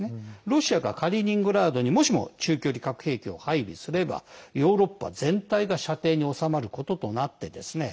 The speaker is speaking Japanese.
ロシアがカリーニングラードにもしも中距離核兵器を配備すればヨーロッパ全体が射程に収まることとなってですね